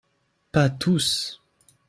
Pas tous